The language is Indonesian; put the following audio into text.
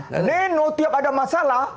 kalau tiap ada masalah